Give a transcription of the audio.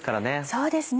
そうですね。